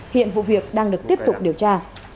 hiện vụ việc đang được tiếp tục điều tra